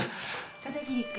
片桐君。